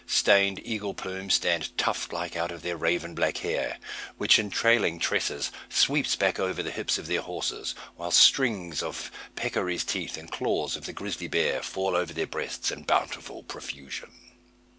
Stained eagle plumes stand tuft like out of their raven black hair, which, in trailing tresses, sweeps back over the hips of their horses; while strings of peccaries' teeth and claws of the grizzly bear fall over their breasts in bountiful profusion.